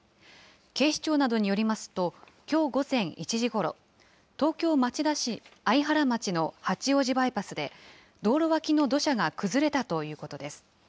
警視庁などによりますと、きょう午前１時ごろ、東京・町田市相原町の八王子バイパスで、道路脇の土砂が崩れたということです。